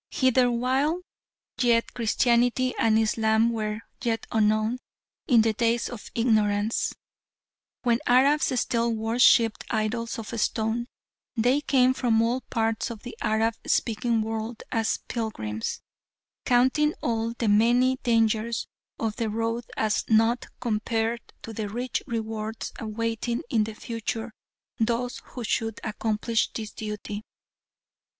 Hither while yet Christianity and Islam were yet unknown, in the "days of ignorance," when the Arabs still worshipped idols of stone, they came from all parts of the Arab speaking world as pilgrims, counting all the many dangers of the road as nought compared to the rich rewards awaiting in the future those who should accomplish this duty.